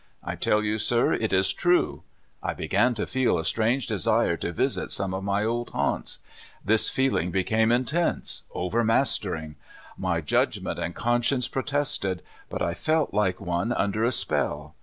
I tell you, sir, it is true ! I began to feel a strange desire to visit some of my old haunts. This feeling became in tense, overmastering. My judgment and con science protested, but I felt like one under a spell.